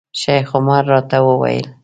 شیخ عمر راته وویل.